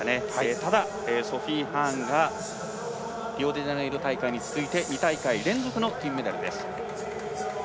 ただ、ソフィー・ハーンがリオデジャネイロ大会に続いて２大会連続の金メダルです。